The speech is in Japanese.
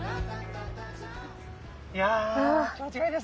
いや気持ちがいいですね